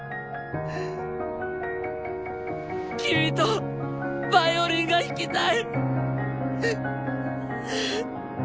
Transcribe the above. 君とヴァイオリンが弾きたい！